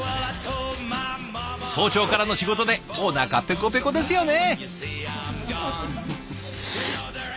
早朝からの仕事でおなかぺこぺこですよね！